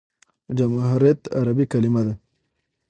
جمهوریت عربي کلیمه ده.